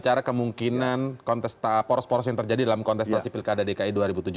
karena kemungkinan kontesta poros poros yang terjadi dalam kontestasi pilkada dki dua ribu tujuh belas